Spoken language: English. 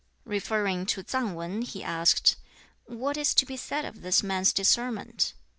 Referring to Tsang Wan, he asked, "What is to be said of this man's discernment?